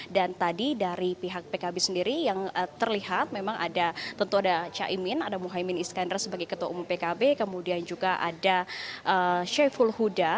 dan tadi dari pihak pkb sendiri yang terlihat memang ada tentu ada caimin ada muhaymin iskandar sebagai ketua umum pkb kemudian juga ada sheyful huda